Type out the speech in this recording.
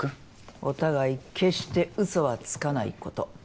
お互い決してうそはつかないこと。